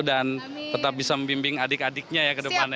dan tetap bisa membimbing adik adiknya ya ke depannya